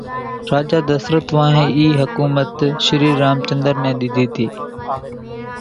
راجا دسرت وانھين اِي حُڪومت شري رام چنۮر نين ۮيوي تي